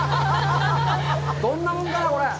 どんなもんかなぁ、これ。